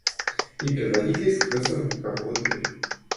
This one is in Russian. И предводитель скрылся в боковую дверь.